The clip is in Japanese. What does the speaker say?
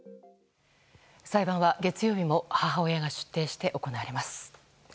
裁判は月曜日も母親が出廷して行われます。